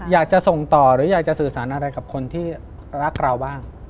อยากจะส่งต่อหรืออยากจะสื่อสารอะไรกับคนที่รักเราบ้าง